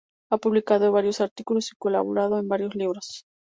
Ha publicado varios artículos y colaborado en varios libros.